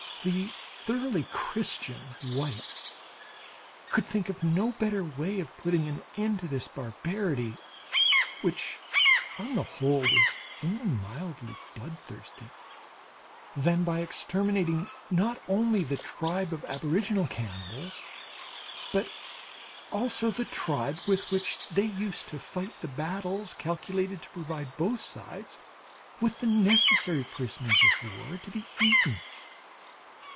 The thoroughly Christian whites could think of no better way of putting an end to this barbarity, which on the whole was only mildly bloodthirsty, than by exterminating not only the tribe of aboriginal cannibals, but also the tribe with which they used to fight the battles calculated to provide both sides with the necessary prisoners of war to be eaten.